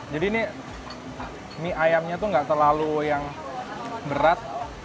ini mie ayamnya tuh gak terlalu yang berat